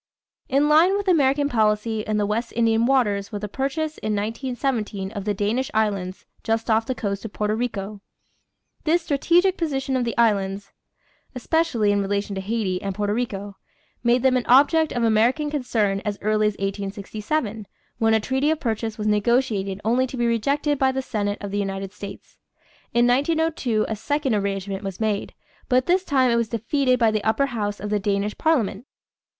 In line with American policy in the West Indian waters was the purchase in 1917 of the Danish Islands just off the coast of Porto Rico. The strategic position of the islands, especially in relation to Haiti and Porto Rico, made them an object of American concern as early as 1867, when a treaty of purchase was negotiated only to be rejected by the Senate of the United States. In 1902 a second arrangement was made, but this time it was defeated by the upper house of the Danish parliament.